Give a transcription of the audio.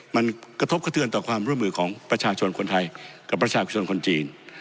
มันกระทบกระเทือนต่อความร่วมมือของประชาชนคนไทยกับประชาชนคนจีน